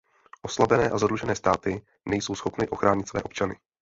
Oslabené a zadlužené státy nejsou schopny ochránit své občany.